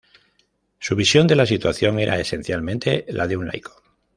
Su visión de la situación era esencialmente la de un laico.